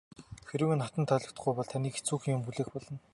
Хэрэв энэ хатанд таалагдахгүй бол таныг хэцүүхэн юм хүлээх болно.